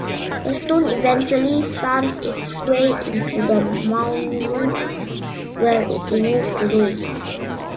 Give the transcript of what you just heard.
The stone eventually found its way into the monument where it remains today.